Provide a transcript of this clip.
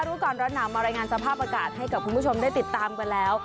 รู้ก่อนร้อนหนาวมารายงานสภาพอากาศให้กับคุณผู้ชมได้ติดตามกันแล้ว